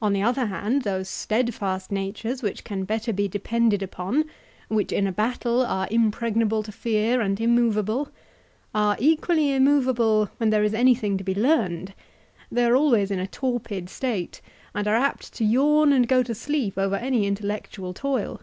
On the other hand, those steadfast natures which can better be depended upon, which in a battle are impregnable to fear and immovable, are equally immovable when there is anything to be learned; they are always in a torpid state, and are apt to yawn and go to sleep over any intellectual toil.